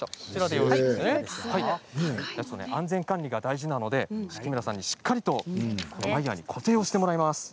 安全管理が大事なので敷村さんにしっかりとワイヤーで固定してもらいます。